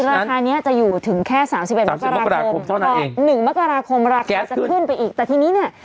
ราคานี้จะอยู่ถึงแค่๓๑มกราคมแต่๑มกราคมราคาจะขึ้นไปอีกแต่ทีนี้เนี่ย